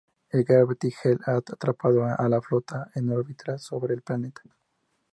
La Gravity Well ha atrapado a la Flota en órbita sobre el planeta.